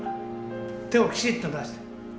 手をきちっと出して。